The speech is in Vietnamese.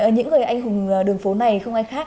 những người anh hùng đường phố này không ai khác